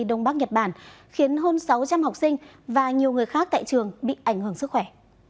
đông bắc nhật bản khiến hơn sáu trăm linh học sinh và nhiều người khác tại trường bị ảnh hưởng sức khỏe